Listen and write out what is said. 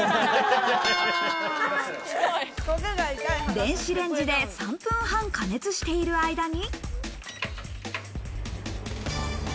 電子レンジで３分半、加熱している間に。